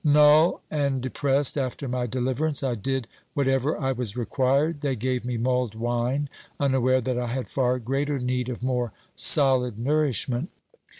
Null and depressed after my deliverance, I did whatever I was required ; they gave me mulled wine, unaware that I had far greater need of more solid nourishment.